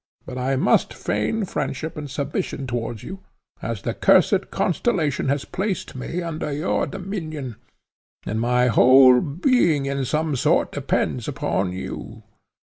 But I must feign friendship and submission towards you, as the cursed constellation has placed me under your dominion, and my whole being in some sort depends upon you.